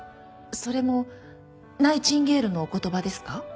それもナイチンゲールのお言葉ですか？